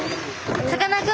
さかなクン